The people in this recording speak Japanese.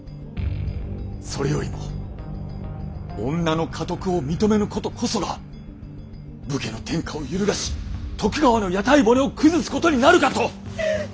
それよりも女の家督を認めぬことこそが武家の天下を揺るがし徳川の屋台骨を崩すことになるかと。